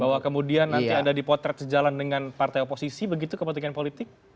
bahwa kemudian nanti ada dipotret sejalan dengan partai oposisi begitu kepentingan politik